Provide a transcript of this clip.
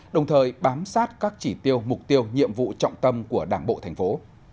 đồng thời bám sát các chỉ tiêu mục tiêu nhiệm vụ trọng tâm của đảng bộ thành phố